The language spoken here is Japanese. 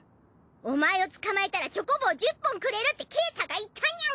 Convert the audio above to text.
お前を捕まえたらチョコボー１０本くれるってケータが言ったニャン。